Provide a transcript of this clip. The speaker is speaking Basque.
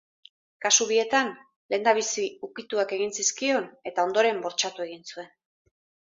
Kasu bietan, lehendabizi ukituak egin zizkion eta ondoren bortxatu egin zuen.